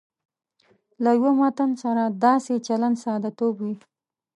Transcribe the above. له یوه متن سره داسې چلند ساده توب وي.